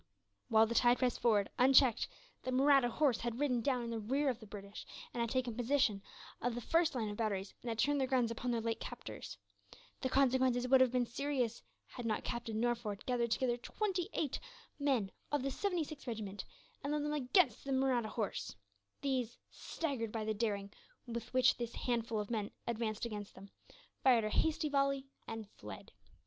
While the tide pressed forward, unchecked, the Mahratta horse had ridden down in the rear of the British; and had taken possession of the first line of batteries, and had turned their guns upon their late captors. The consequences would have been serious, had not Captain Norford gathered together twenty eight men of the 76th Regiment, and led them against the Mahratta horse. These, staggered by the daring with which this handful of men advanced against them, fired a hasty volley and fled.